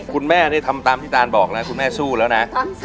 คุณแม่นี่ทำตามที่ตานบอกนะคุณแม่สู้แล้วนะ